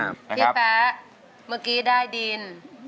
พี่แป๊ะเมื่อกี้ได้ดิน